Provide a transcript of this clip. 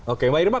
oke mbak irma